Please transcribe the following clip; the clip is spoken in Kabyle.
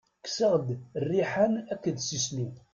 Kkseɣ-d rriḥan akked sisnu.